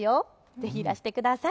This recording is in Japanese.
ぜひいらしてください。